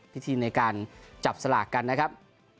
พิธีในการจับสลากกันนะครับ